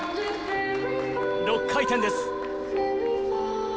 ６回転です。